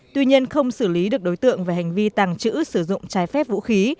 tuy nhiên không xử lý được đối tượng về hành vi tàng trữ sử dụng trái phép vũ khí